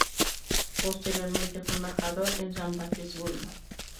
Posteriormente fue embajador en San Petersburgo.